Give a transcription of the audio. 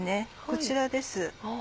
こちらです。